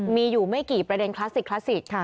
มีอยู่ไม่กี่ประเด็นคลาสิก